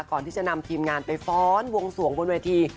ก่อนที่จะนำทีมงานไปฟ้อนวงสวงบนเวที